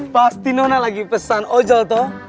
pasti nona lagi pesan ojol to